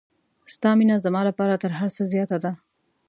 ستا مینه زما لپاره تر هر څه زیاته ده.